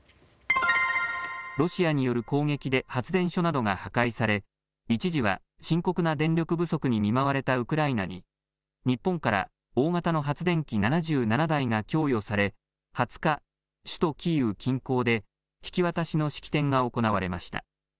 ロシアによる攻撃で発電所などが破壊され一時は深刻な電力不足に見舞われたウクライナに日本から大型の発電機７７台が供与され２０日、首都キーウ近郊で引き渡しの式典が行われました。